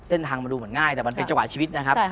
เส้นทางมันดูเหมือนง่ายแต่มันเป็นจังหวะชีวิตนะครับ